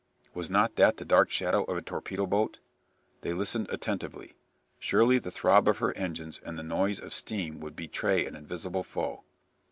Was not that the dark shadow of a torpedo boat? They listened attentively. Surely the throb of her engines and the noise of steam would betray an invisible foe.